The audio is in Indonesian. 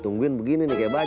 jangan terlalu banyak